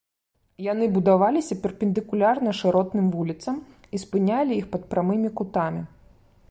Яны будаваліся перпендыкулярна шыротным вуліцам і спынялі іх пад прамымі кутамі.